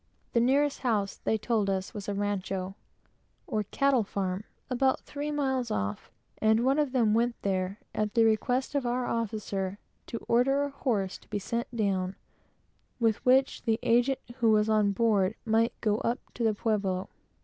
The nearest house, they told us, was a Rancho, or cattle farm, about three miles off; and one of them went up, at the request of our officer, to order a horse to be sent down, with which the agent, who was on board, might go up to the Pueblo.